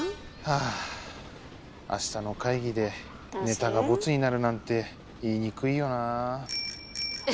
あしたの会議でネタがボツになるなんて言いにくいよなあ。